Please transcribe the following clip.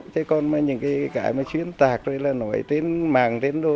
thế còn những cái chuyên tạc nói tên mạng tên đồ